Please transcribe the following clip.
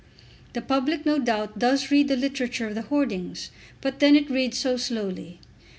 The public no doubt does read the literature of the hoardings, but then it reads so slowly!